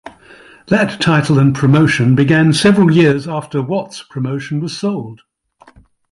That title and promotion began several years after Watts' promotion was sold.